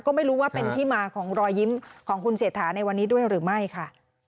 ก็ไม่รู้ว่าเป็นที่มาของรอยยิ้มของคุณเศรษฐาในวันนี้ด้วยหรือไม่ค่ะ